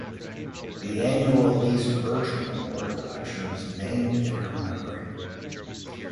The annual Elsie Bertram Memorial Lecture is named in her memory.